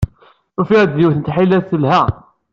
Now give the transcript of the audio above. Ufiɣ-d yiwet n tḥilet telha.